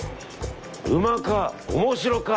「うまか！